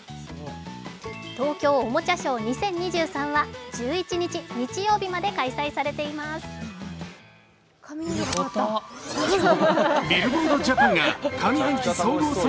東京おもちゃショー２０２３は１１日、日曜日まで開催されていますあっつい！